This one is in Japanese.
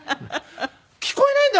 「聞こえないんだ